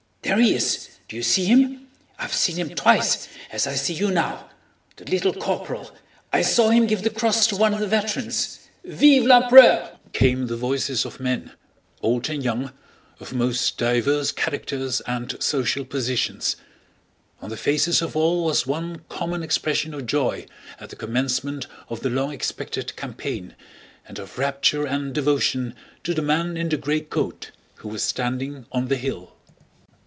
There he is, do you see him? I've seen him twice, as I see you now. The little corporal... I saw him give the cross to one of the veterans.... Vive l'Empereur!" came the voices of men, old and young, of most diverse characters and social positions. On the faces of all was one common expression of joy at the commencement of the long expected campaign and of rapture and devotion to the man in the gray coat who was standing on the hill.